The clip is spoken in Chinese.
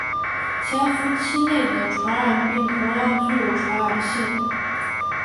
潜伏期内的传染病同样具有传染性。